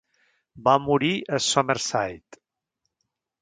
Va morir a Summerside.